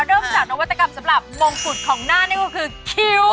เริ่มจากนวัตกรรมสำหรับมงกุฎของหน้านี่ก็คือคิ้ว